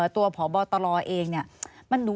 ตัวผอบอตรอเองเนี่ย